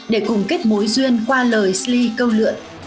để cùng kết mối duyên qua lời sli câu lượn